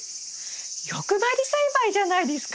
欲張り栽培じゃないですか！